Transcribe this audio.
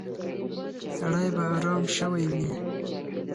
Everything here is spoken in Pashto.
سړی به ارام شوی وي.